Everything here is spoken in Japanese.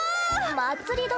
まつり殿